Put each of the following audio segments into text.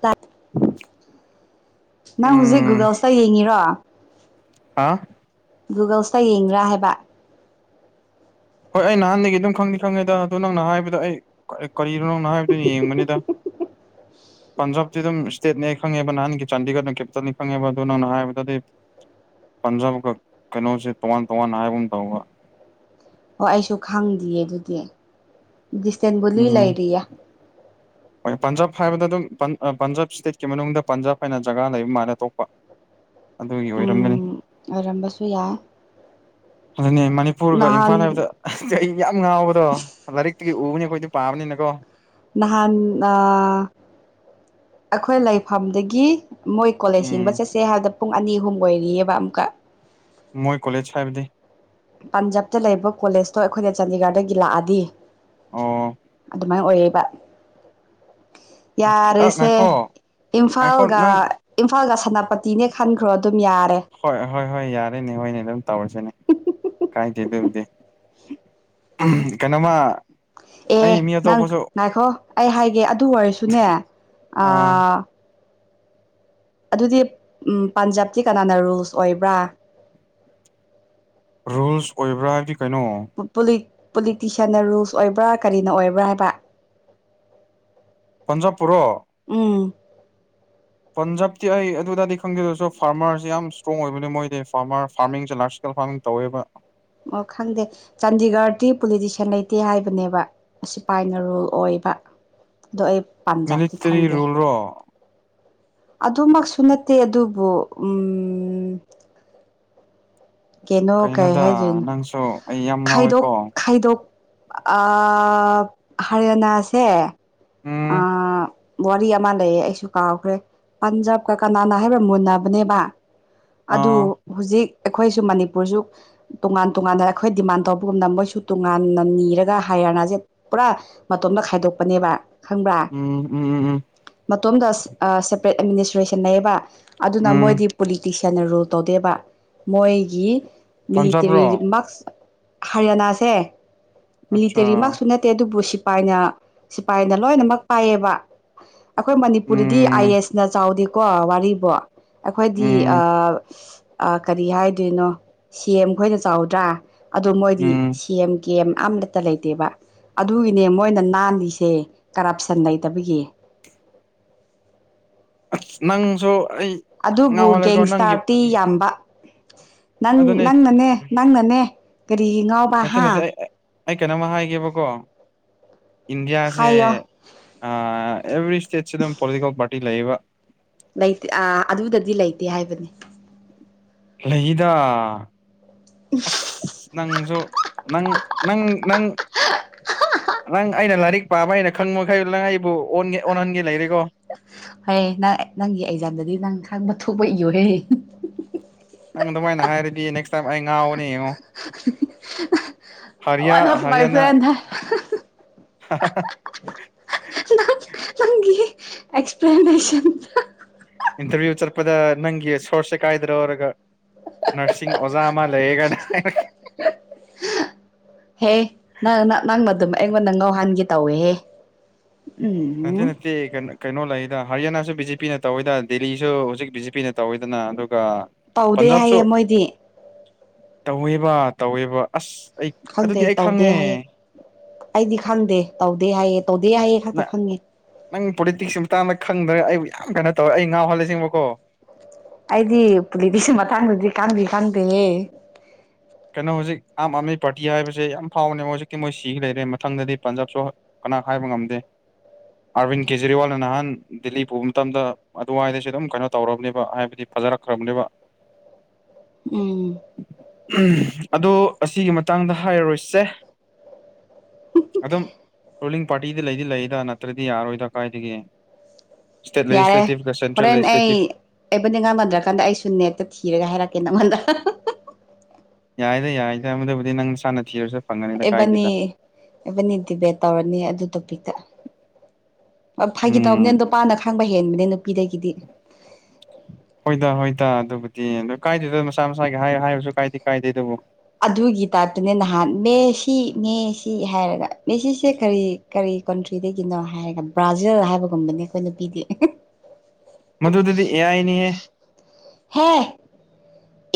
ꯇ ꯑꯝ ꯅꯪ ꯍꯧꯖꯤꯛ ꯒꯨꯒꯜꯁꯇ ꯌꯦꯡꯉꯤꯔꯣ ꯍꯥ ꯒꯨꯒꯜꯁꯇ ꯌꯦꯡꯕ꯭ꯔꯥ ꯍꯥꯏꯕ ꯍꯣꯏ ꯑꯩ ꯅꯍꯥꯟꯗꯒꯤ ꯑꯗꯨꯝ ꯈꯪꯗꯤ ꯈꯪꯉꯦꯗ ꯑꯗꯨ ꯅꯪꯅ ꯍꯥꯏꯕꯗꯣ ꯑꯩ ꯀꯔꯤꯅꯣ ꯅꯪꯅ ꯍꯥꯏꯕꯗꯨ ꯌꯦꯡꯕꯅꯤꯗ [inaudible] [inaudible] ꯄꯟꯖꯥꯕꯇꯤ ꯑꯗꯨꯝ ꯏꯁꯇꯦꯠꯅꯦ ꯈꯪꯉꯦꯕ ꯅꯍꯥꯟꯒꯤ ꯆꯥꯟꯗꯤꯒꯔꯅ ꯀꯦꯄꯤꯇꯜꯅꯤ ꯈꯪꯉꯦꯕ ꯑꯗꯨ ꯅꯪꯅ ꯍꯥꯏꯕꯗꯗꯤ ꯄꯟꯖꯥꯕ ꯀ ꯀꯩꯅꯣꯁꯦ ꯇꯣꯉꯥꯟ ꯇꯣꯉꯥꯟ ꯍꯥꯏꯕ ꯑꯃ ꯇꯕ ꯍꯣꯏ ꯑꯩꯁꯨ ꯈꯪꯗꯦꯌꯦ ꯑꯗꯨꯗꯤ ꯗꯤꯁꯇꯦꯟꯕꯨꯂꯤ ꯎꯝ ꯂꯩꯔꯤꯌꯦ ꯍꯣꯏ ꯄꯟꯖꯥꯕ ꯍꯥꯏꯕꯗ ꯑꯗꯨꯝ ꯄꯟꯖꯥꯕ ꯏꯁꯇꯦꯠꯀꯤ ꯃꯅꯨꯡꯗ ꯄꯟꯖꯥꯕ ꯍꯥꯏꯅ ꯖꯒꯥ ꯂꯩꯕ ꯃꯥꯜꯂꯦ ꯑꯇꯣꯞꯄ ꯑꯗꯨꯒꯤ ꯑꯣꯏꯔꯝꯒꯅꯤ ꯎꯝ ꯑꯣꯏꯔꯝꯕꯁꯨ ꯌꯥꯏ ꯑꯗꯨꯅꯦ ꯃꯅꯤꯄꯨꯔꯒ ꯅꯍꯥꯟ ꯏꯝꯐꯥꯜ ꯍꯥꯏꯕꯗ ꯌꯥꯝ ꯉꯥꯎꯕꯗꯣ ꯂꯥꯏꯔꯤꯛꯇꯒꯤ ꯎꯕꯅꯤ ꯑꯩꯈꯣꯏꯗꯤ ꯄꯥꯕꯅꯤꯅꯀꯣ ꯅꯍꯥꯟ ꯑꯩꯈꯣꯏ ꯂꯩꯐꯝꯗꯒꯤ ꯃꯣꯏ ꯀꯣꯂꯦꯖ ꯎꯝ ꯍꯤꯡꯕ ꯆꯠꯁꯦ ꯍꯥꯏꯕꯗ ꯄꯨꯡ ꯑꯅꯤ ꯑꯍꯨꯝ ꯑꯣꯏꯔꯤꯑꯕ ꯑꯃꯨꯛꯀ ꯃꯣꯏ ꯀꯣꯂꯦꯖ ꯍꯥꯏꯕꯗꯤ ꯄꯟꯖꯥꯕꯇ ꯂꯩꯕ ꯀꯣꯂꯦꯖꯇꯣ ꯑꯩꯈꯣꯏꯅ ꯆꯥꯟꯗꯤꯒꯔꯗꯒꯤ ꯂꯥꯛꯑꯗꯤ ꯑꯣ ꯑꯗꯨꯃꯥꯏꯅ ꯑꯣꯏꯔꯕ ꯑꯣꯀꯦ ꯑ ꯌꯥꯔꯦꯁꯦ ꯉꯥꯏꯈꯣ ꯉꯥꯏꯈꯣ ꯏꯝꯐꯥꯜꯒ ꯅꯪ ꯏꯝꯐꯥꯜꯒ ꯁꯅꯥꯄꯇꯤꯅꯦ ꯈꯟꯈ꯭ꯔꯣ ꯑꯗꯨꯝ ꯌꯥꯔꯦ ꯍꯣꯏ ꯍꯣꯏ ꯍꯣꯏ ꯌꯥꯔꯦꯅꯦ ꯍꯣꯏꯅꯦ ꯑꯗꯨꯝ ꯇꯧꯔꯁꯤꯅꯦ ꯍꯥꯏꯥꯏꯦ ꯑꯗꯨꯗꯦ ꯁꯤ ꯀꯩꯅꯣꯃ ꯑꯦ ꯑꯩ ꯃꯤ ꯅꯪ ꯑꯇꯣꯞꯄꯁꯨ ꯉꯥꯏꯈꯣ ꯑꯩ ꯍꯥꯏꯒꯦ ꯑꯗꯨ ꯑꯣꯏꯔꯁꯨꯅꯦ ꯑꯥ ꯑꯗꯨꯗꯤ ꯄꯟꯖꯥꯕꯇꯤ ꯀꯅꯥꯅ ꯔꯨꯜꯁ ꯑꯣꯏꯕ꯭ꯔꯥ ꯔꯨꯜꯁ ꯑꯣꯏꯕ꯭ꯔꯥ ꯍꯥꯏꯗꯤ ꯄꯣꯂꯤꯇꯤꯁꯤꯌꯥꯟꯅ ꯔꯨꯜꯁ ꯑꯣꯏꯕ꯭ꯔꯥ ꯀꯔꯤꯅ ꯑꯣꯏꯕ꯭ꯔꯥ ꯍꯥꯏꯕ ꯄꯟꯖꯥ ꯎꯝ ꯄꯟꯖꯥꯕꯇꯤ ꯑꯩ ꯑꯗꯨꯗꯗꯤ ꯈꯪꯗꯁꯨ ꯐꯥꯔꯃꯔꯁꯤꯦ ꯌꯥꯝ ꯏꯁꯇ꯭ꯔꯣꯡ ꯑꯣꯏꯕꯅꯤ ꯃꯣꯏꯗꯤ ꯐꯥꯔꯃꯔ ꯐꯥꯔꯃꯤꯡ ꯆꯂꯁꯤ ꯐꯥꯔꯃꯤ ꯇꯧꯋꯦꯕ ꯑꯣ ꯈꯪꯗꯦ ꯆꯥꯟꯗꯤꯒꯔꯗꯤꯤ ꯄꯣꯂꯤꯇꯤꯁꯤꯌꯥꯟ ꯂꯩꯇꯦ ꯍꯥꯏꯕꯅꯦꯕ ꯑꯁꯤ ꯄꯥꯏꯅ ꯔꯨꯜ ꯑꯣꯏꯌꯦ ꯕ ꯑꯣ ꯑꯩ ꯄꯥꯝꯖꯕꯗꯤ ꯃꯤꯂꯤꯇꯔꯤ ꯈꯪꯗꯦ ꯔꯨꯜꯔꯣ ꯑꯗꯨꯃꯛꯁꯨ ꯅꯠꯇꯦ ꯑꯗꯨꯕꯨ ꯎ ꯀꯩꯅꯣ ꯀꯩ ꯀꯩꯅꯣꯗ ꯍꯥꯏꯗꯣꯏꯅꯣ ꯅꯪꯁꯨ ꯑꯩ ꯌꯥꯝ ꯈꯥꯏꯗꯣꯛ ꯉꯥꯎꯋꯦꯀꯣ ꯈꯥꯏꯗꯣꯛ ꯑꯥ ꯍꯔꯤꯌꯥꯅꯥꯁꯦ ꯎꯝ ꯑꯥ ꯋꯥꯔꯤ ꯑꯃ ꯂꯩꯌꯦ ꯑꯩꯁꯨ ꯀꯥꯎꯈ꯭ꯔꯦ ꯄꯟꯖꯥꯕꯀ ꯀꯅꯥꯅ ꯍꯥꯏꯕ ꯃꯨꯟꯅꯕꯅꯦꯕ ꯑ ꯑꯗꯨ ꯍꯨꯖꯤꯛ ꯈꯣꯏꯁꯨ ꯃꯅꯤꯄꯨꯔꯁꯨ ꯇꯣꯉꯥꯟ ꯇꯣꯉꯥꯟꯅ ꯑꯩꯈꯣꯏ ꯗꯤꯃꯥꯟ ꯇꯧꯕꯒꯨꯝꯅ ꯃꯣꯏꯁꯨ ꯇꯣꯉꯥꯟꯅ ꯅꯤꯔꯒ ꯍꯥꯏꯔ ꯄꯨꯔꯥ ꯃꯇꯣꯝꯇ ꯈꯥꯏꯗꯣꯛꯄꯅꯦꯕ ꯈꯪꯕ꯭ꯔꯥ ꯎꯝ ꯎꯝ ꯎꯝ ꯎꯝ ꯃꯇꯣꯝꯗ ꯁꯦ ꯑꯥ ꯁꯦꯄꯔꯦꯠ ꯑꯦꯗꯃꯤꯅꯤꯁꯇ꯭ꯔꯦꯁꯟ ꯂꯩꯌꯦꯕ ꯑꯗꯨꯅ ꯎꯝ ꯃꯣꯏꯗꯤ ꯄꯣꯂꯤꯇꯤꯁꯤꯌꯥꯟꯅ ꯔꯨꯜ ꯇꯧꯗꯦꯕ ꯃꯣꯏꯒꯤ ꯄꯟꯖꯥꯕꯔꯣ ꯃꯤꯂꯤꯇꯔꯤ ꯃꯛꯁ ꯍꯔꯤꯌꯥꯅꯥꯁꯦ ꯑꯠꯆꯥ ꯃꯤꯂꯤꯇꯔꯤ ꯃꯛꯁꯨ ꯅꯠꯇꯦ ꯑꯗꯨꯕꯨ ꯁꯤꯄꯥꯏꯅ ꯁꯤꯐꯥꯏꯅ ꯂꯣꯏꯅꯃꯛ ꯄꯥꯏꯌꯦꯕ ꯑꯈꯣꯏ ꯃꯅꯤꯄꯨꯔꯗꯗꯤ ꯎꯝ ꯑꯥꯏꯌꯦꯁꯅ ꯆꯥꯎꯗꯦꯀꯣ ꯋꯥꯔꯤꯕꯣ ꯑꯩꯈꯣꯏꯗꯤ ꯎꯝ ꯑꯥ ꯑꯥ ꯀꯔꯤ ꯍꯥꯏꯗꯣꯏꯅꯣ ꯁꯤꯌꯦꯝ ꯈꯣꯏꯅ ꯆꯥꯎꯗ꯭ꯔꯥ ꯑꯗꯨꯗ ꯃꯣꯏꯗꯤ ꯎꯝ ꯁꯤꯌꯦꯝ ꯀꯦꯝ ꯑꯃꯇ ꯂꯩꯇꯦꯕ ꯑꯗꯨꯒꯤꯅꯦ ꯃꯣꯏꯅ ꯅꯥꯟꯂꯤꯁꯦ ꯀꯔꯞꯁꯟ ꯂꯩꯇꯕꯒꯤ [inaudible] ꯅꯪꯁꯨ ꯑꯩ ꯌꯥꯝ ꯑꯗꯨꯕꯨ ꯉꯥꯎꯍꯜꯂꯦꯀꯣ ꯅꯪꯒꯤ ꯎꯝ ꯪ ꯅꯪ ꯅꯪꯅꯅꯦ ꯅꯪꯅꯅꯦ ꯀꯔꯤꯒꯤ ꯉꯥꯎꯕ ꯅꯠꯇꯦ ꯍꯥ ꯅꯠꯇꯦ ꯑꯩ ꯑꯩ ꯀꯩꯅꯣꯃ ꯍꯥꯏꯒꯦꯕꯀꯣ ꯏꯟꯗꯤꯌꯥꯁꯦ ꯍꯥꯏꯌꯣ ꯑꯥ ꯑꯦꯕ꯭ꯔꯤ ꯏꯁꯇꯦꯠꯁꯤ ꯗꯨꯝ ꯄꯣꯂꯤꯇꯤꯀꯦꯜ ꯄꯥꯔꯇꯤ ꯂꯩꯌꯦꯕ ꯂꯩꯇꯦ ꯑꯥ ꯑꯗꯨꯗꯗꯤ ꯂꯩꯇꯦ ꯍꯥꯏꯕꯅꯤ ꯂꯩꯗꯥ ꯑꯁ ꯅꯪꯁꯨ ꯅꯪ ꯅꯪ ꯅꯪ ꯅꯪ ꯑꯩꯅ ꯂꯥꯏꯔꯤꯛ ꯄꯥꯕ ꯑꯩꯅ ꯈꯪꯕ ꯃꯈꯩ ꯅꯪ ꯑꯩꯕꯨ ꯑꯣꯟꯒꯦ ꯑꯣꯟꯍꯟꯒꯦ ꯂꯥꯏꯔꯤꯛ ꯍ ꯍꯌꯦ ꯅꯪ ꯅꯪꯒꯤ ꯑꯦꯛꯖꯥꯝꯗꯗꯤ ꯅꯪ ꯈꯪꯗ ꯊꯨꯕꯨꯏꯌꯨꯔꯦꯍꯦ ꯅꯪ ꯑꯗꯨꯃꯥꯏꯅ ꯍꯥꯏꯔꯗꯤ ꯅꯦꯛꯁ ꯇꯥꯏꯝ ꯑꯩ ꯉꯥꯎꯕꯅꯤ ꯌꯦꯡꯉꯣ ꯍꯔꯤꯌꯥ ꯋꯥꯟ ꯑꯣꯐ ꯃꯥꯏ ꯍꯔꯤꯌꯥꯅꯥ ꯐ꯭ꯔꯦꯟ ꯍꯥ ꯍꯥ ꯍꯥ ꯍ ꯍ ꯍ ꯍꯤ ꯑꯦꯛꯁꯄ꯭ꯂꯦꯅꯦꯁꯟ ꯍꯥ ꯀꯗ ꯅꯪꯒꯤ ꯁꯣꯔꯁꯦ ꯀꯥꯏꯗ꯭ꯔꯣ ꯑꯔꯒ ꯅꯔꯁꯤꯡ ꯑꯣꯖꯥ ꯑꯃ ꯂꯩꯔꯒꯅ ꯍꯥꯏꯔꯒ ꯍꯨꯝ ꯍꯨꯝ ꯍꯦ ꯅꯪ ꯅꯪꯅ ꯗꯨꯝ ꯑꯩꯉꯣꯟꯗ ꯉꯧꯍꯟꯒꯦ ꯇꯧꯋꯦꯍꯦ ꯑꯗꯨ ꯎꯝ ꯅꯠꯇꯦ ꯀꯅꯣ ꯀꯩꯅꯣ ꯂꯩꯗ ꯍꯔꯤꯌꯥꯅꯥꯁꯨ ꯕꯤ ꯖꯦ ꯄꯤꯅ ꯇꯧꯋꯤꯗ ꯗꯦꯜꯂꯤꯁꯨ ꯍꯧꯖꯤꯛ ꯕꯤ ꯖꯦ ꯄꯤꯅ ꯇꯧꯋꯤꯗꯅ ꯑꯗꯨ ꯑꯥ ꯇꯧꯗꯦ ꯄꯟꯖꯥꯕꯁꯨ ꯍꯥꯏꯌꯦ ꯃꯣꯏꯗꯤ ꯇꯧꯋꯦꯕ ꯇꯧꯋꯦꯕ ꯑꯁ ꯑꯩ ꯈꯪꯗꯦ ꯑꯗꯨꯗꯤ ꯑꯩ ꯇꯧꯗꯦ ꯈꯪꯉꯦ ꯍꯥꯏꯌꯦ ꯑꯩꯗꯤ ꯈꯪꯗꯦ ꯇꯧꯗꯦ ꯍꯥꯏꯌꯦ ꯇꯧꯗꯦ ꯍꯥꯏꯌꯦ ꯈꯛꯇ ꯅꯪ ꯈꯪꯉꯦ ꯅꯪ ꯄꯣꯂꯤꯇꯤꯛꯁ ꯃꯇꯥꯡꯗ ꯈꯪꯗ꯭ꯔꯅ ꯑꯩꯕꯨ ꯌꯥꯝ ꯀꯩꯅꯣ ꯇꯧꯔꯦ ꯑꯩ ꯉꯥꯎꯍꯜꯂꯤꯁꯤ ꯌꯦꯡꯉꯨꯀꯣ ꯑꯩꯗꯤ ꯄꯨꯂꯤꯇꯤꯛꯁ ꯃꯇꯥꯡꯗꯗꯤ ꯀꯥꯟꯗꯤ ꯀꯥꯟꯗꯦꯍꯦ ꯀꯩꯅꯣ ꯍꯧꯖꯤꯛ ꯑꯥꯝ ꯑꯥꯃꯤ ꯄꯥꯔꯇꯤ ꯍꯥꯏꯕꯁꯦ ꯌꯥꯝ ꯐꯥꯎꯕꯅꯦ ꯍꯧꯖꯤꯛꯇꯤ ꯃꯣꯏꯁꯤ ꯂꯩꯔꯦ ꯃꯊꯪꯗꯗꯤ ꯄꯟꯖꯥꯕꯁꯨ ꯍꯥ ꯅꯥ ꯍꯥꯏꯕ ꯉꯝꯗꯦ ꯑꯥꯔꯕꯤꯟ ꯀꯦꯖꯔꯤꯋꯥꯜꯅ ꯅꯍꯥꯟ ꯗꯤꯜꯂꯤ ꯄꯨꯕ ꯃꯇꯝꯗ ꯑꯗꯨꯋꯥꯏꯗꯁꯨ ꯑꯗꯨꯝ ꯀꯩꯅꯣ ꯇꯧꯔꯕꯅꯦꯕ ꯍꯥꯏꯕꯗꯤ ꯐꯖꯔꯈ꯭ꯔꯃꯦꯕ ꯎꯝ ꯑꯗꯣ ꯑꯁꯤꯒꯤ ꯃꯇꯥꯡꯗ ꯍꯥꯏꯔꯔꯣꯏꯁꯦ ꯑꯗꯨꯝ ꯔꯨꯂꯤꯡ ꯄꯥꯔꯇꯤꯗꯤ ꯂꯩꯗꯤ ꯂꯩꯗ ꯅꯠꯇ꯭ꯔꯗꯤ ꯌꯥꯔꯣꯏꯗ ꯀꯥꯏꯗꯒꯤ ꯏꯁꯇꯦꯠ ꯌꯥꯔꯦ ꯂꯩꯁꯂꯦꯇꯤꯞ ꯀꯁꯦ ꯍꯣꯔꯦꯟ ꯑꯩ ꯑꯩꯕꯅꯤꯡ ꯑꯃꯗ ꯀꯥꯟꯗ ꯑꯩꯁꯨ ꯅꯦꯠꯇ ꯊꯤꯔꯒ ꯍꯥꯏꯔꯛꯀꯦ ꯅꯉꯣꯟꯗ ꯍꯥ ꯍꯥ ꯌꯥꯏꯗ ꯌꯥꯏꯗ ꯃꯗꯨꯕꯨꯗꯤ ꯅꯪ ꯁꯥꯟꯅ ꯊꯤꯔꯁꯨ ꯐꯪꯒꯅꯤꯗ ꯑꯦꯕꯥꯅꯤ ꯀꯥꯏꯗꯦꯗ ꯑꯦꯕꯥꯅꯤ ꯗꯤꯕꯦꯠ ꯇꯧꯔꯅꯤ ꯑꯗꯨ ꯇꯣꯄꯤꯛꯇ ꯃꯐꯥꯈꯤ ꯎꯝ ꯇꯧꯕꯅꯦꯗꯣꯄꯥꯥꯟꯅ ꯈꯥꯡꯕ ꯍꯦꯟꯕꯅꯦ ꯅꯨꯄꯤꯗꯒꯤꯗꯤ ꯍꯣꯏꯗ ꯍꯣꯏꯗ ꯑꯗꯨꯕꯨꯗꯤ ꯑꯗꯨ ꯀꯥꯏꯗꯦꯗ ꯃꯁꯥ ꯃꯁꯥꯒꯤ ꯍꯥꯏ ꯍꯥꯏꯔꯁꯨ ꯀꯥꯏꯗꯤ ꯀꯥꯏꯗꯦ ꯑꯗꯨꯕꯨ ꯑꯗꯨꯒꯤ ꯇꯥꯏꯞꯇꯨꯅꯦ ꯅꯍꯥꯟ ꯃꯦꯁꯤ ꯃꯦꯁꯤ ꯍꯥꯏꯔꯒ ꯃꯦꯁꯤꯁꯦ ꯀꯔꯤ ꯀꯔꯤ ꯀꯟꯇ꯭ꯔꯤꯗꯒꯤꯅꯣ ꯍꯥꯏꯔꯒ ꯕ꯭ꯔꯥꯖꯤꯜ ꯍꯥꯏꯕꯒꯨꯝꯕꯅꯤ ꯑꯩꯈꯣꯏꯅ ꯄꯤꯗꯦ ꯃꯗꯨꯗꯗꯤ ꯑꯦꯌꯥꯏꯅꯤꯌꯦ ꯍꯦ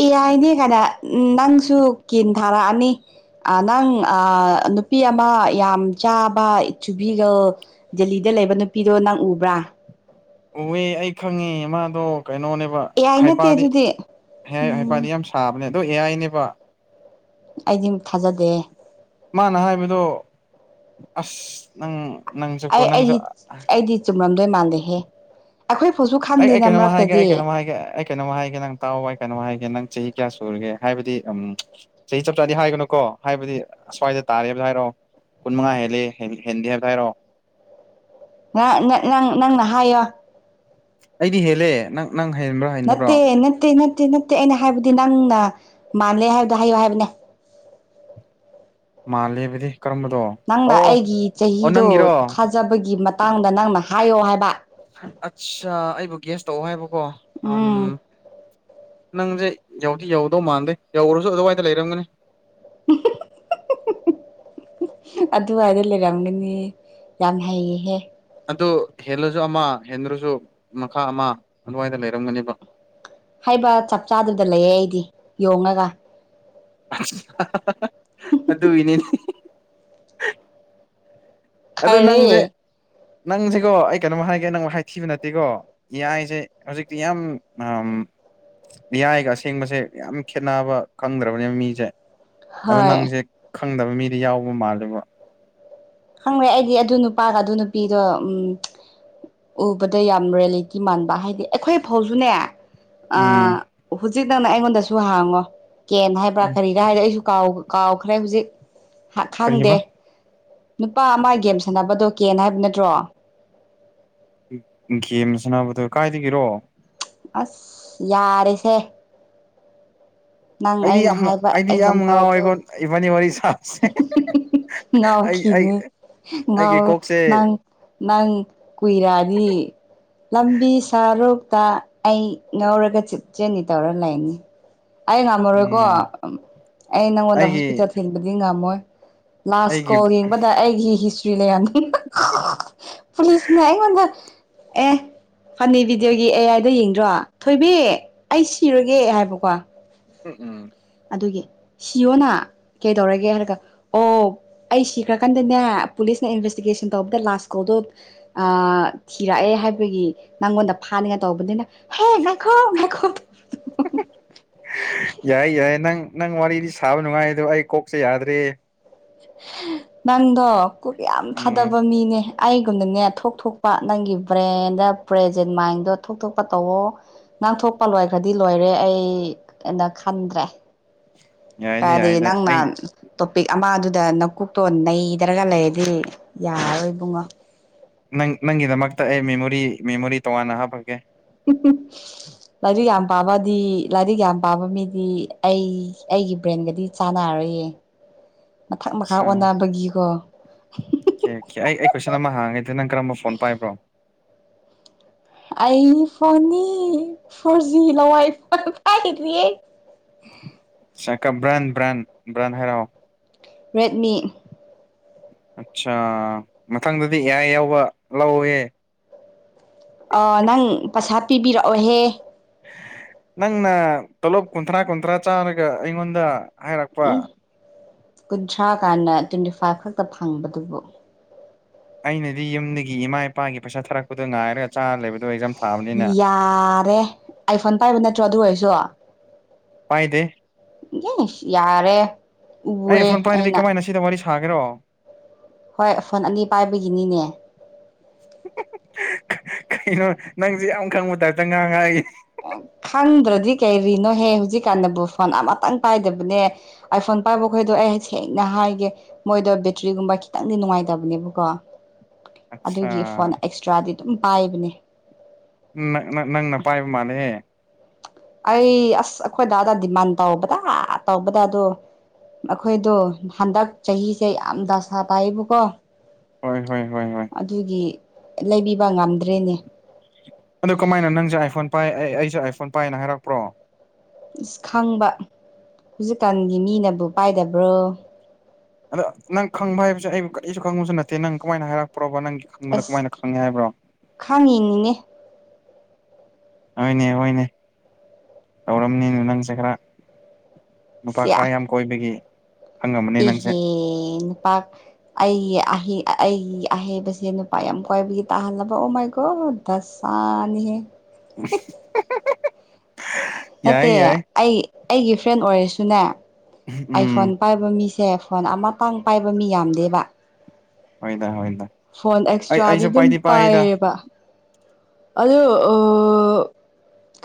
ꯑꯦ ꯌꯥꯅꯦ ꯀꯥꯏꯅ ꯅꯪꯁꯨ ꯀꯤꯟ ꯊꯥꯔꯛꯑꯅꯤ ꯅꯪ ꯑꯥ ꯅꯨꯄꯤ ꯑꯃ ꯌꯥꯝ ꯆꯥꯕ ꯁꯨꯕꯤꯒ ꯗꯦꯜꯂꯤꯗ ꯂꯩꯕ ꯅꯨꯄꯤꯗꯣ ꯅꯪ ꯎꯕ꯭ꯔꯥ ꯎꯍꯦ ꯑꯩ ꯈꯪꯉꯦ ꯃꯥꯗꯣ ꯀꯩꯅꯣꯅꯦꯕ ꯑꯦ ꯑꯥꯏ ꯅꯠꯇꯦ ꯍꯥꯏꯄꯥꯗꯤ ꯑꯗꯨꯗꯤ ꯎꯝ ꯍꯥꯏꯄꯥꯗꯤ ꯌꯥꯝ ꯁꯥꯕꯅꯦ ꯑꯗꯣ ꯑꯦꯌꯥꯥꯏꯅꯦꯕ ꯑꯩꯗꯤ ꯊꯥꯖꯗꯦ ꯃꯥꯅ ꯍꯥꯏꯕꯗꯣ ꯑꯁ ꯅꯪ ꯅꯪꯁꯨꯀꯣ ꯑꯩ ꯅꯪꯁꯨ ꯑꯩꯗꯤ ꯑꯩꯗꯤ ꯆꯨꯝꯃꯝꯗꯣꯏ ꯃꯥꯟꯗꯍꯦ ꯑꯩꯈꯣꯏ ꯐꯥꯎꯠꯁꯨ ꯈꯪꯗꯦꯅ ꯃꯔꯛꯇꯗꯤ ꯀꯩꯅꯣ ꯍꯥꯏꯒꯦ ꯅꯪ ꯇꯥꯎ ꯋꯥꯏ ꯀꯩꯅꯣ ꯍꯥꯏꯒꯦ ꯅꯪ ꯆꯍꯤ ꯀꯌꯥ ꯁꯨꯔꯒꯦ ꯍꯥꯏꯕꯗꯤ ꯎꯝ ꯆꯍꯤ ꯆꯞ ꯆꯥꯗꯤ ꯍꯥꯏꯒꯅꯨ ꯀꯣ ꯍꯥꯏꯕꯗꯤ ꯑꯁ꯭ꯋꯥꯏꯗ ꯇꯥꯔꯦ ꯍꯥꯏꯕ ꯍꯥꯏꯔꯣ ꯀꯨꯟ ꯃꯉꯥ ꯍꯦꯂ ꯍꯦꯟꯗꯦ ꯍꯥꯏꯕ ꯍꯥꯏꯔꯣ [inaudible] [inaudible] ꯅ ꯅꯪꯅ ꯍꯥꯏꯌꯣ ꯑꯩꯗꯤ ꯍꯦꯂꯦ ꯅꯪ ꯅꯪ ꯍꯦꯟꯕ꯭ꯔꯥ ꯍꯦꯟꯗꯕ꯭ꯔꯣ ꯅꯠꯇꯦ ꯅꯠꯇꯦ ꯅꯠꯇꯦ ꯅꯠꯇꯦ ꯅꯠꯇꯦ ꯑꯩꯅ ꯍꯥꯏꯕꯗꯤ ꯅꯪꯅ ꯃꯥꯜꯂꯦ ꯍꯥꯏꯕꯗꯣ ꯍꯥꯏꯌꯣ ꯍꯥꯏꯕꯅꯦ ꯃꯥꯜꯂꯤꯕꯗꯤ ꯅꯪꯅ ꯑꯩꯒꯤ ꯆꯍꯤꯗꯣ ꯅꯪꯒꯤꯔꯣ ꯊꯥꯖꯕꯒꯤ ꯃꯇꯥꯡꯗ ꯅꯪꯅ ꯍꯥꯏꯌꯣ ꯍꯥꯏꯕ ꯑꯠꯆꯥ ꯑꯩꯕꯨ ꯒ꯭ꯌꯥꯁ ꯇꯧꯑꯣ ꯍꯥꯏꯕꯀꯣ ꯎꯝ ꯅꯪꯁꯦ ꯌꯧꯗꯤ ꯌꯧꯗꯧ ꯃꯥꯟꯗꯦ ꯌꯧꯔꯁꯨ ꯑꯗꯨꯋꯥꯏꯗ ꯂꯩꯔꯝꯒꯅꯤ [inaudible] [inaudible] ꯑꯗꯨꯋꯥꯏꯗ ꯂꯩꯔꯝꯒꯅꯤ ꯌꯥꯝ ꯍꯩꯌꯦꯍꯦ ꯑꯗꯨ ꯍꯦꯜꯂꯁꯨ ꯑꯃ ꯍꯦꯟꯗ꯭ꯔꯁꯨ ꯃꯈꯥ ꯑꯃ ꯑꯗꯨꯋꯥꯏꯗ ꯂꯩꯔꯝꯒꯅꯦꯕ ꯍꯥꯏꯕ ꯆꯞ ꯆꯥꯗꯨꯗ ꯂꯩꯌꯦꯦ ꯑꯩꯗꯤ ꯌꯣꯉꯒ ꯑꯗꯨ ꯑꯗꯨꯏꯅꯦꯅꯦ ꯑꯗꯨ ꯅꯪꯁꯦ ꯈꯔꯦ ꯅꯪꯁꯤꯀꯣ ꯑꯩ ꯀꯩꯅꯣꯝ ꯍꯥꯏꯒꯦ ꯅꯪ ꯃꯈ ꯍꯥꯏꯥꯏꯊꯤꯕ ꯅꯠꯇꯦꯀꯣ ꯌꯥꯏꯁꯦ ꯍꯧꯖꯤꯛꯇꯤ ꯌꯥꯝ ꯌꯥꯌꯥꯏꯒ ꯑꯁꯦꯡꯕꯁꯦ ꯌꯥꯝ ꯈꯦꯠꯅꯕ ꯈꯪꯗ꯭ꯔꯕꯅꯦꯕ ꯃꯤꯁꯦ ꯑꯗꯣ ꯍꯣꯏ ꯅꯪꯁꯦ ꯈꯪꯗꯕ ꯃꯤꯗꯤ ꯌꯥꯎꯕ ꯃꯥꯜꯂꯦꯕ ꯈꯪꯪꯂꯦ ꯑꯩꯗꯤ ꯑꯗꯨ ꯅꯨꯄꯥꯒ ꯑꯗꯨ ꯅꯨꯄꯤꯗꯣ ꯎꯝ ꯎꯕꯗ ꯌꯥꯝ ꯔꯤꯌꯦꯂꯤꯇꯤ ꯃꯥꯟꯕ ꯍꯥꯏꯗꯤ ꯑꯩꯈꯣꯏ ꯐꯥꯎꯁꯨꯅꯦ ꯑ ꯎꯝ ꯍꯧꯖꯤꯛ ꯅꯪꯅ ꯑꯩꯉꯣꯟꯗꯁꯨ ꯍꯥꯡꯉꯣ ꯀꯦꯟ ꯍꯥꯏꯕ꯭ꯔꯥ ꯀꯔꯤꯒꯥ ꯍꯥꯏꯗ ꯑꯩꯁꯨ ꯀꯥꯎ ꯀꯥꯎꯈ꯭ꯔꯦ ꯍꯧꯖꯤꯛ ꯈꯥꯡꯗꯦ ꯀꯔꯤꯕ ꯅꯨꯄꯥ ꯑꯃ ꯒꯦꯝ ꯁꯥꯟꯅꯕꯗꯣ ꯀꯦꯅ ꯍꯥꯏꯕ ꯅꯠꯇ꯭ꯔꯣ ꯒꯦꯝ ꯁꯅꯕꯗꯣ ꯀꯥꯏꯗꯒꯤꯔꯣ ꯑꯁ ꯌꯥꯔꯦꯁꯦ ꯅꯪ ꯑꯩꯗꯤ ꯑꯩꯅ ꯌꯥꯝ ꯍꯥꯏꯕ ꯑꯩꯗꯤ ꯌꯥꯝ ꯑꯦꯛꯖꯥꯝꯄꯜꯗꯣ ꯉꯥꯎꯋꯦꯀꯣ ꯏꯕꯥꯅꯤ ꯋꯥꯔꯤ ꯁꯥꯕꯁꯦ ꯑꯩ ꯑꯩ ꯉꯥꯑꯣꯈꯤꯅꯤ ꯑꯩꯒꯤ ꯀꯣꯛꯁꯦ ꯅꯪ ꯅꯪ ꯀꯨꯏꯔꯗꯤ ꯂꯝꯕꯤ ꯁꯥꯔꯣ ꯇ ꯑꯩ ꯉꯧꯔꯒ ꯆꯞꯆꯅꯤ ꯇꯧꯔ ꯂꯩꯅꯤ ꯑꯩ ꯉꯝꯃꯔꯣꯏꯀꯣ ꯎꯝ ꯑꯩ ꯅꯪꯉꯣꯟꯗ ꯑꯩꯒꯤ ꯍꯣꯁꯄꯤꯇꯥꯜ ꯊꯤꯟꯕꯗꯤ ꯉꯝꯃꯣꯏ ꯂꯥꯁ ꯑꯩꯒꯤ ꯀꯣꯜ ꯌꯦꯡꯕꯗ ꯑꯩꯒꯤ ꯍꯤꯁꯇ꯭ꯔꯤ ꯂꯩꯔꯝ [inaudible] ꯄꯨꯂꯤꯁꯅ ꯑꯩꯉꯣꯟꯗ ꯑꯦ ꯐꯅꯤ ꯚꯤꯗꯤꯑꯣꯒꯤ ꯑꯦ ꯑꯥꯏꯗ ꯌꯦꯡꯗ꯭ꯔꯣ ꯊꯣꯏꯕꯤ ꯑꯩ ꯁꯤꯔꯒꯦ ꯍꯥꯏꯕꯀꯣ ꯎꯝ ꯎꯝ ꯑꯗꯨꯒꯤ ꯁꯤꯑꯣꯅ ꯀꯩꯗꯧꯔꯒꯦ ꯍꯥꯏꯔꯒ ꯑꯣ ꯑꯩ ꯁꯤꯈ꯭ꯔꯀꯥꯟꯗꯅꯦ ꯄꯨꯂꯤ ꯏꯁꯅꯥ ꯏꯟꯚꯦꯁꯇꯤꯒꯦꯁꯟ ꯇꯧꯕꯗ ꯂꯥꯁ ꯀꯣꯜꯗꯣ ꯑꯥ ꯊꯤꯔꯛꯑꯦ ꯍꯥꯏꯕꯒꯤ ꯅꯪꯉꯣꯟꯗ ꯐꯥꯅꯤꯉꯥꯏ ꯇꯕꯨꯗꯨꯅ ꯍꯦ ꯉꯥꯏꯈꯣ ꯉꯥꯏꯈꯣ ꯌꯥꯏ ꯌꯥꯏ ꯅꯪ ꯅꯪ ꯋꯥꯔꯤꯗꯤ ꯁꯥꯕ ꯅꯨꯡꯉꯥꯏ ꯑꯗꯣ ꯑꯩ ꯀꯣꯛꯆꯦ ꯌꯥꯗ꯭ꯔꯦ ꯅꯪꯗꯣ ꯀꯨꯛ ꯌꯥꯝ ꯎꯝ ꯊꯥꯗꯕ ꯃꯤꯅꯦ ꯑꯩꯒꯨꯝꯅꯅꯦ ꯊꯣꯛꯊꯣꯛꯄ ꯅꯪꯒꯤ ꯕ꯭ꯔꯦꯟꯗ ꯄ꯭ꯔꯖꯦꯟ ꯃꯥꯏꯟꯗꯣ ꯊꯣꯛꯊꯣꯛꯄ ꯇꯧꯋ ꯉꯥꯡꯊꯣꯛꯄ ꯂꯣꯏꯈ꯭ꯔꯗꯤ ꯂꯣꯏꯔꯦ ꯑꯩꯅ ꯈꯟꯗ꯭ꯔꯦ [unintelligible] ꯌꯥꯏꯗ ꯇꯥꯗꯤ ꯌꯥꯏꯗ ꯅꯪꯅ ꯑꯩ ꯇꯣꯄꯤꯛ ꯑꯃꯗꯨꯗ ꯅꯀꯣꯛꯇꯣ ꯅꯩꯗ꯭ꯔꯒ ꯂꯩꯔꯗꯤ ꯌꯥꯔꯔꯣꯏ ꯏꯕꯨꯡꯉꯣ ꯅꯪ ꯅꯪꯒꯤꯗꯃꯛꯇ ꯑꯩ ꯃꯦꯃꯣꯔꯤ ꯃꯦꯃꯣꯔꯤ ꯇꯣꯉꯥꯟꯅ ꯍꯥꯞꯄꯛ ꯀꯦ [unintelligible] ꯂꯥꯏꯔꯤꯛ ꯌꯥꯝ ꯄꯥꯕꯗꯤ ꯂꯥꯏꯔꯤꯛ ꯌꯥꯝ ꯄꯥꯕ ꯃꯤꯗꯤ ꯑꯩ ꯑꯩꯒꯤ ꯕ꯭ꯔꯦꯟꯒꯗꯤ ꯆꯥꯟꯅꯔ ꯑꯩꯌꯦ [unintelligible] ꯃꯊꯛ ꯃꯈꯥ ꯑꯣꯟꯅꯕꯒꯤꯀꯣ ꯀꯦꯀꯦ ꯑꯩ ꯑꯩ ꯀꯣꯏꯁꯟ ꯑꯃ ꯍꯥꯡꯉꯦ ꯅꯪ ꯀꯔꯝꯕ ꯐꯣꯟ ꯄꯥꯏꯕ꯭ꯔꯣ ꯑꯩ ꯐꯣꯟꯅꯤ ꯐꯣꯔꯖꯤ ꯂ ꯋꯥꯏꯐꯥꯏ ꯄꯥꯏꯔꯤꯌꯦ ꯆꯥꯀ ꯕꯔ꯭ꯥꯟ ꯕ꯭ꯔꯥꯟ ꯕ꯭ꯔꯥꯟ ꯍꯦꯔꯛꯑꯣ ꯔꯦꯗꯃꯤ ꯑꯠꯆꯥ ꯃꯊꯪꯗꯗꯤ ꯑꯦ ꯑꯥꯏ ꯌꯥꯎꯕ ꯂꯧꯑꯣꯌꯦ ꯑꯥ ꯅꯪ ꯄꯩꯁꯥ ꯄꯤꯕꯤꯔꯛꯑꯣꯍꯦ ꯅꯪꯅ ꯇꯣꯂꯣꯞ ꯀꯨꯟꯊ꯭ꯔꯥ ꯀꯨꯟꯊ꯭ꯔꯥ ꯆꯥꯔꯒ ꯑꯩꯉꯣꯟꯗ ꯍꯥꯏꯔꯛꯄ ꯎꯝ ꯀꯨꯟꯊ꯭ꯔꯥ ꯀꯥꯟꯅ ꯇ꯭ꯋꯦꯟꯇꯤ ꯐꯥꯏꯚ ꯈꯛꯇ ꯐꯪꯕꯗꯨꯕꯨ ꯑꯩꯅꯗꯤ ꯌꯨꯝꯗꯒꯤ ꯏꯃꯥ ꯏꯄꯥꯒꯤ ꯄꯩꯁꯥ ꯊꯥꯔꯛꯄꯗꯣ ꯉꯥꯏꯔꯒ ꯆꯥꯔ ꯂꯩꯕꯗꯣ ꯑꯦꯛꯖꯥꯝ ꯊꯥꯕꯅꯤꯅ ꯌꯥꯔꯦ ꯑꯥꯏꯐꯣꯟ ꯄꯥꯏꯕ ꯅꯠꯇ꯭ꯔꯣ ꯑꯗꯨ ꯑꯣꯏꯔꯁꯨ ꯄꯥꯏꯗꯦ ꯌꯦ ꯌꯥꯔꯦ ꯑꯩ ꯎꯑꯦ ꯐꯣꯟ ꯄꯥꯏꯗ꯭ꯔꯗꯤ ꯑꯩꯅ ꯀꯃꯥꯏꯅ ꯁꯤꯗ ꯋꯥꯔꯤ ꯁꯥꯒꯦꯔꯣ ꯍꯣꯏ ꯐꯣꯟ ꯑꯅꯤ ꯄꯥꯏꯕꯒꯤꯅꯤꯅꯦ [unintelligible] ꯀꯩ ꯀꯩꯅꯣ ꯅꯪꯁꯦ ꯌꯥꯝ ꯈꯪꯕ ꯇꯥꯏꯄꯇ ꯉꯥꯡꯉꯛꯏ ꯈꯪꯗ꯭ꯔꯗꯤ ꯀꯩꯔꯤꯅꯣꯍꯦ ꯍꯧꯖꯤꯛꯀꯥꯟꯗꯕꯨ ꯐꯣꯟ ꯑꯃꯇꯪ ꯄꯥꯏꯗꯕꯅꯦ ꯑꯥꯏꯐꯣꯟ ꯄꯥꯏꯕꯈꯣꯏꯗꯣ ꯑꯩ ꯁꯦꯡꯅ ꯍꯥꯏꯒꯦ ꯃꯣꯏꯗꯣ ꯕꯦꯇ꯭ꯔꯤꯒꯨꯝꯕ ꯈꯤꯇꯪꯗꯤ ꯅꯨꯡꯉꯥꯏꯇꯕꯅꯦꯕꯀꯣ ꯑꯠꯆꯥ ꯑꯗꯨꯒꯤ ꯐꯣꯟ ꯑꯦꯛꯁꯇ꯭ꯔꯥꯗꯤ ꯑꯗꯨꯝ ꯄꯥꯏꯕꯅꯦ ꯅ-ꯅ-ꯅꯪꯅ ꯄꯥꯏꯕ ꯃꯥꯜꯂꯦꯍꯦ ꯑꯩ ꯑꯁ ꯑꯩꯈꯣꯏ ꯗꯥꯗ ꯗꯤꯃꯥꯟ ꯇꯧꯕꯗ ꯇꯧꯕꯗ ꯑꯗꯣ ꯃꯈꯣꯏꯗꯣ ꯍꯟꯗꯛ ꯆꯍꯤꯁꯦ ꯌꯥꯝ ꯗꯥꯁꯥ ꯇꯥꯏꯌꯦꯕꯀꯣ ꯍꯣꯏ ꯍꯣꯏ ꯍꯣꯏ ꯍꯣꯏ ꯑꯗꯨꯒꯤ ꯂꯩꯕꯤꯕ ꯉꯝꯗ꯭ꯔꯦꯅꯦ ꯑꯗꯨ ꯀꯃꯥꯏꯅ ꯅꯪꯁꯦ ꯑꯥꯏꯐꯣꯟ ꯄꯥꯏ ꯑꯩ-ꯑꯩꯁꯦ ꯑꯥꯏꯐꯣꯟ ꯄꯥꯏꯌꯦꯅ ꯍꯥꯏꯔꯛꯄ꯭ꯔꯣ ꯑꯁ ꯈꯪꯕ ꯍꯧꯖꯤꯛꯀꯥꯟꯒꯤ ꯃꯤꯅꯕꯨ ꯄꯥꯏꯗꯕ꯭ꯔꯣ ꯑꯗ ꯅꯪ ꯈꯪꯕ ꯍꯥꯏꯕꯁꯦ ꯑꯩꯕꯨ ꯀꯔꯤꯁꯨ ꯈꯪꯕꯁꯨ ꯅꯠꯇꯦ ꯅꯪ ꯀꯃꯥꯏꯅ ꯍꯥꯏꯔꯛꯄꯅꯣꯕ ꯅꯪꯒꯤ ꯈꯪꯕꯗ ꯑꯁ ꯀꯃꯥꯏꯅ ꯈꯪꯉꯦ ꯍꯥꯏꯕ꯭ꯔꯣ ꯈꯪꯉꯤꯅꯤꯅꯦ ꯍꯣꯏꯅꯦ ꯍꯣꯏꯅꯦ ꯇꯧꯔꯝꯅꯤꯅꯦ ꯅꯪꯁꯦ ꯈꯔ ꯅꯨꯄꯥ ꯁꯤ ꯈꯔ ꯌꯥꯝ ꯀꯣꯏꯕꯒꯤ ꯈꯪꯉꯝꯃꯅꯤ ꯅꯪꯁꯦ ꯏꯍꯦ ꯅꯨꯄꯥ ꯑꯩ ꯍ ꯑꯩꯒꯤ ꯑꯍꯩꯕꯁꯦ ꯅꯨꯄꯥ ꯌꯥꯝ ꯀꯣꯏꯕꯒꯤ ꯇꯥꯍꯜꯂꯕ ꯑꯣ ꯃꯥꯏꯀꯣ ꯗꯁꯥꯅꯤꯍꯦ [unintelligible] ꯌꯥꯏ ꯅꯠꯇꯦ ꯌꯥꯏ ꯑꯩ ꯑꯩꯒꯤ ꯐ꯭ꯔꯦꯟ ꯑꯣꯏꯔꯁꯨꯅꯦ ꯑꯥꯏꯐꯣꯟ ꯎꯝ ꯄꯥꯏꯕ ꯃꯤꯁ ꯁꯦ ꯐꯣꯟ ꯑꯃꯇꯥꯡ ꯄꯥꯏꯕ ꯃꯤ ꯌꯥꯝꯗꯦꯕ ꯍꯣꯏꯗ ꯍꯣꯏꯗ ꯐꯣꯟ ꯑꯩ ꯑꯦꯛꯁꯇ꯭ꯔꯥꯗꯤ ꯑꯩꯁꯨ ꯑꯗꯨꯝ ꯄꯥꯏꯗꯤ ꯄꯥꯏꯗ ꯄꯥꯏꯌꯦꯕ ꯑꯗ ꯑ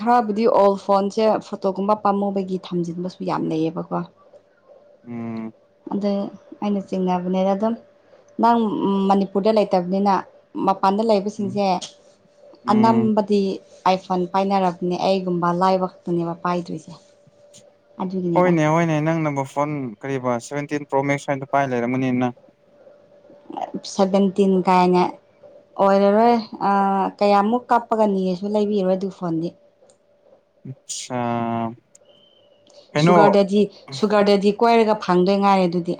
ꯈꯔꯕꯨꯗꯤ ꯑꯣꯜ ꯐꯣꯟꯁꯦ ꯐꯣꯇꯣꯒꯨꯝꯕ ꯄꯥꯝꯃꯨꯕꯒꯤ ꯊꯝꯖꯤꯟꯕꯁꯨ ꯌꯥꯝ ꯂꯩꯌꯦꯕꯀꯣ ꯎꯝ ꯑꯗꯨ ꯑꯩꯅ ꯆꯤꯡꯅꯕꯅꯦꯗ ꯑꯗꯨꯝ ꯅꯪ ꯃꯅꯤꯄꯨꯔꯗ ꯂꯩꯇꯕꯅꯤꯅ ꯃꯄꯥꯟꯗ ꯎꯝ ꯂꯩꯕꯁꯤꯡꯁꯦ ꯎꯝ ꯑꯅꯝꯕꯗꯤ ꯑꯥꯏꯐꯣꯟ ꯄꯥꯏꯅꯔꯕꯅꯦ ꯑꯩꯒꯨꯝꯕ ꯂꯥꯏꯕꯛꯇꯨꯅꯦꯕ ꯄꯥꯏꯗꯣꯏꯁꯦ ꯑꯗꯨꯒꯤꯅꯤꯗ ꯍꯣꯏꯅꯦ ꯍꯣꯏꯅꯦ ꯅꯪ ꯅꯕꯨ ꯐꯣꯟ ꯀꯔꯤꯕ ꯁꯚꯦꯟꯇꯤꯟ ꯄ꯭ꯔꯣ ꯃꯦꯛꯁ ꯁꯋꯥꯏꯗ ꯄꯥꯏ ꯂꯩꯔꯝꯃꯅꯤꯅ ꯁꯚꯦꯟꯇꯤꯟ ꯀꯥꯏꯅ ꯑꯣꯏꯔꯔꯣꯏ ꯀꯌꯥꯃꯨꯛ ꯀꯥꯞꯄꯒꯅꯤꯁꯨ ꯂꯩꯕꯤꯔꯣꯏ ꯑꯗꯨ ꯐꯣꯟꯗꯤ ꯑꯆꯥ ꯁꯨꯒꯔꯗꯗꯤ ꯁꯨꯒꯔꯗꯗꯤ ꯀꯣꯏꯔꯒ ꯐꯪꯗꯣꯏ ꯉꯥꯏꯔꯦ ꯑꯗꯨꯗꯤ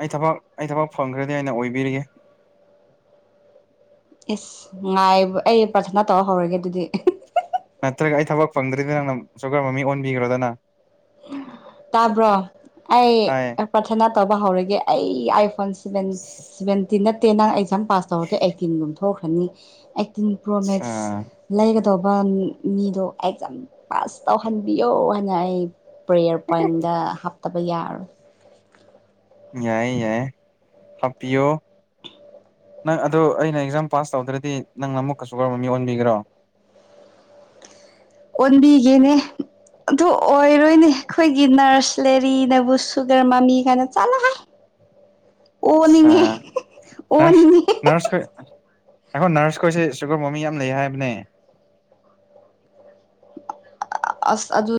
ꯑꯩ ꯊꯕꯛ ꯑꯩ ꯊꯕꯛ ꯐꯪꯈ꯭ꯔꯗꯤ ꯑꯩꯅ ꯑꯣꯏꯕꯤꯔꯤꯒꯦ ꯏꯁꯁ ꯉꯥꯏꯕ ꯑꯩ ꯄꯔꯊꯅꯥ ꯇꯧꯔ ꯍꯧꯔꯒꯦ ꯑꯗꯨꯗꯤ ꯅꯠꯇ꯭ꯔꯒ ꯑꯩ ꯊꯕꯛ ꯐꯪꯗ꯭ꯔꯤꯗ ꯅꯪꯅ ꯁꯨꯒꯔ ꯃꯃꯤꯡ ꯑꯣꯟꯕꯤꯈ꯭ꯔꯣꯗꯅ ꯇꯥꯕ꯭ꯔꯣ ꯑꯩ ꯇꯥꯏꯌꯦ ꯄ꯭ꯔꯥꯊꯅꯥ ꯇꯧꯕ ꯍꯧꯔꯒꯦ ꯑꯩ ꯦꯟ ꯁꯚꯦꯟꯇꯤꯟ ꯅꯠꯇꯦ ꯅꯪ ꯑꯦꯛꯖꯥꯝ ꯄꯥꯁ ꯇꯧꯔꯗꯤ ꯑꯩꯠꯇꯤꯟꯒꯨꯝ ꯊꯣꯛꯈ꯭ꯔꯅꯤ ꯇꯤꯟ ꯄ꯭ꯔꯣ ꯑ ꯃꯦꯛꯁ ꯂꯩꯒꯗꯧꯕ ꯃꯤꯗꯣ ꯑꯦꯛꯖꯥꯝ ꯄꯥꯁ ꯇꯧꯍꯟꯕꯤꯌꯣ ꯍꯥꯏꯅ ꯑꯩ ꯄ꯭ꯔꯦꯌꯔ ꯄꯣꯏꯟꯗ ꯍꯥꯞꯇꯕ ꯌꯥꯔꯣꯏ ꯌꯥꯏ ꯌꯥꯏ ꯍꯥꯄꯤꯌꯣ ꯅꯪ ꯑꯗ ꯑꯩꯅ ꯑꯦꯛꯖꯥꯝ ꯄꯥꯁ ꯇꯧꯗ꯭ꯔꯗꯤ ꯅꯪꯅ ꯑꯃꯨꯛꯀꯁꯨ ꯀꯔꯝꯕ ꯃꯤ ꯑꯣꯟꯕꯤꯈ꯭ꯔꯣ ꯑꯣꯟꯗꯤꯒꯦꯅꯦ ꯑꯗꯨ ꯑꯣꯏꯔꯣꯏꯅꯦ ꯑꯩꯈꯣꯏꯒꯤ ꯅꯔꯁ ꯂꯦꯔꯤꯅꯕꯨ ꯁꯨꯒꯔ ꯃꯃꯤ ꯀꯥꯏꯅ ꯆꯠꯂ ꯍꯥꯏ ꯑ ꯅꯔꯁ ꯑꯣꯅꯤꯡꯉꯦ ꯅꯔꯁ ꯀ ꯑꯩꯈꯣꯏ ꯅꯔꯁꯈꯣꯏꯁꯦ ꯁꯨꯒꯔ ꯃꯣꯃꯤ ꯌꯥꯝ ꯂꯩ ꯍꯥꯏꯕꯅꯦ ꯑꯁ ꯑꯗꯨ